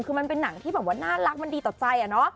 คือมันเป็นหนังที่เหมือนว่าน่ารักมันดีต่อใจ